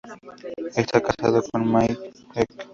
Está casado con My Ek.